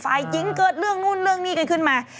ฝ่ายหญิงเกิดเรื่องนู่นเรื่องนี้กันขึ้นมา